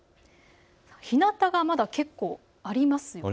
ひなたがまだ結構ありますよね。